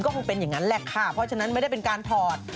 คงเป็นอย่างนั้นแหละค่ะเพราะฉะนั้นไม่ได้เป็นการถอด